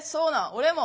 俺も！」